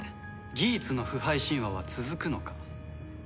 ギーツの不敗神話は続くのか？